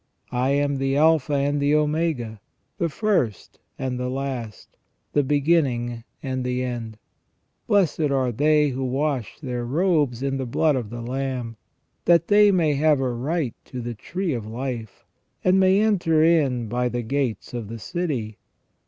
I am the Alpha and the Omega, the first and the last, the beginning aud the end. Blessed are they who wash their robes in the blood of the Lamb ; that they may have a right to the tree of life, and may enter in by the gates of the city.